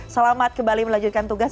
selamat kembali melanjutkan tugas